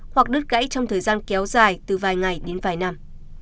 hoặc đứt gãy trong thời gian kéo dài từ vài ngày đến vài năm